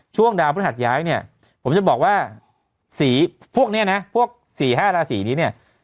ช่วงดาวพฤศัทรยายนี้ผมจะบอกว่าสีพวกนี้นะพวกสีห้าราสีเนี่ย